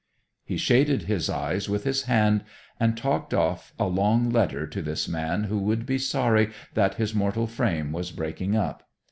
He shaded his eyes with his hand and talked off a long letter to this man who would be sorry that his mortal frame was breaking up.